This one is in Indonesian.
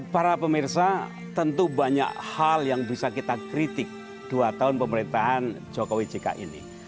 para pemirsa tentu banyak hal yang bisa kita kritik dua tahun pemerintahan jokowi jk ini